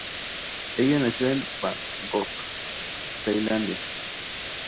Ella nació en Bangkok, Tailandia.